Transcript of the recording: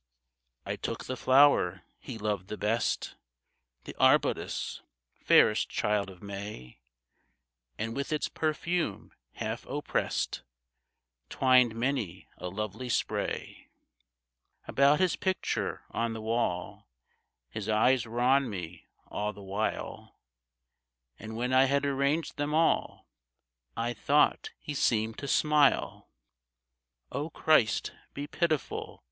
IN THE WILDERNESS 6g I took the flower he loved the best, The arbutus, — fairest child of May, —• And with its perfume half oppressed, Twined many a lovely spray About his picture on the wall ; His eyes were on me all the while, And when I had arranged them all I thought he seemed to smile. O Christ, be pitiful